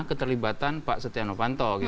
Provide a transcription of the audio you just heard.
keterlibatan pak setiano panto